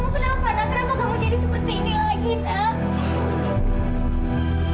kenapa kamu jadi seperti ini lagi nak